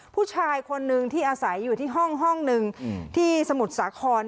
ผู้ชายคนนึงที่อาศัยอยู่ที่ห้องหนึ่งที่สมุทรสาคร